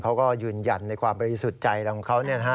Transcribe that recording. เขาก็ยืนยันในความบริสุทธิ์ใจของเขา